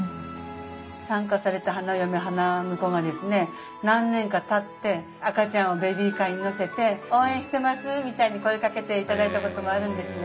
参加された花嫁花婿がですね何年かたって赤ちゃんをベビーカーに乗せて「応援してます」みたいに声かけていただいたこともあるんですね。